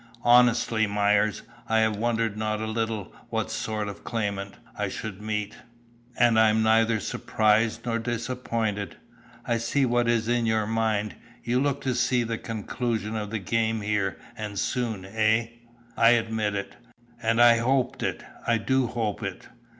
"Honestly, Myers, I have wondered not a little what sort of claimant I should meet, and I am neither surprised nor disappointed. I see what is in your mind; you looked to see the conclusion of the game here and soon, eh?" "I admit it." "And I hoped it. I do hope it.